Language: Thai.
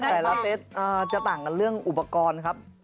แต่ละเซตจะต่างกันเรื่องอุปกรณ์ครับ